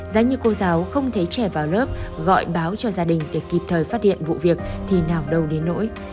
giá như cô giáo không thấy trẻ vào lớp gọi báo cho gia đình để kịp thời phát hiện vụ việc thì nào đâu đến nỗi